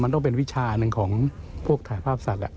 มันต้องเป็นวิชาหนึ่งของพวกถ่ายภาพสัตว์